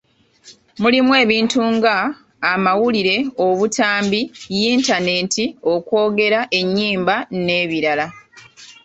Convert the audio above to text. Mulimu ebintu nga; amawulire, obutambi, yintaneeti, okwogera, ennyimba n'ebirala.